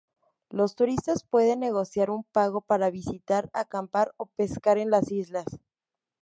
Los turistas pueden negociar un pago para visitar, acampar o pescar en las islas.